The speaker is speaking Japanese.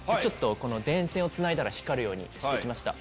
電線をつないだら光るようにして来ました。